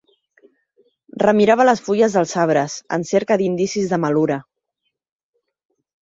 Remirava les fulles dels arbres, en cerca d'indicis de malura.